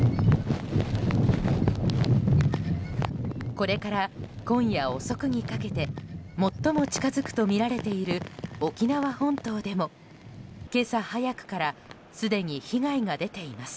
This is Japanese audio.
これから今夜遅くにかけて最も近づくとみられている沖縄本島でも、今朝早くからすでに被害が出ています。